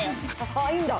あっいいんだ？